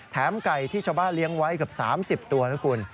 ไก่ที่ชาวบ้านเลี้ยงไว้เกือบ๓๐ตัวนะคุณ